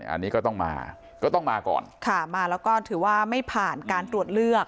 อันนี้ก็ต้องมาก็ต้องมาก่อนค่ะมาแล้วก็ถือว่าไม่ผ่านการตรวจเลือก